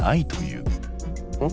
うん？